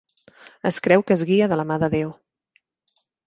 Es creu que es guia de la mà de Déu.